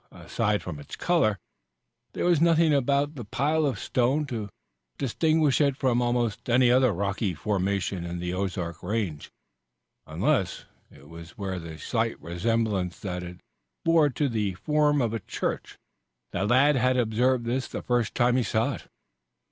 Aside from its color there was nothing about the pile of stone to distinguish it from almost any other rocky formation in the Ozark range, unless it were the slight resemblance that it bore to the form of a church. The lad had observed this the first time he saw it.